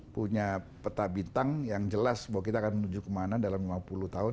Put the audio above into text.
punya peta bintang yang jelas bahwa kita akan menuju kemana dalam lima puluh tahun